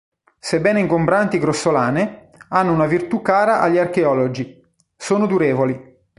Sebbene ingombranti e grossolane, hanno una virtù cara agli archeologi: sono durevoli.